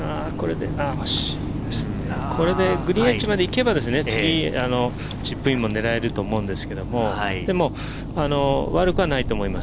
グリーンエッジまで行けばチップインも次、狙えると思うんですけど、悪くはないと思います。